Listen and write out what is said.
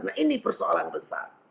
nah ini persoalan besar